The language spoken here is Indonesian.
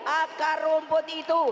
akar rumput itu